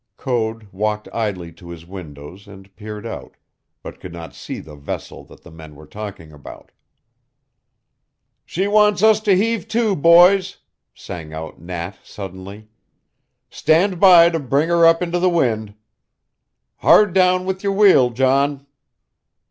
Code walked idly to his windows and peered out, but could not see the vessel that the men were talking about. "She wants us to heave to, boys," sang out Nat suddenly. "Stand by to bring her up into the wind. Hard down with your wheel, John!"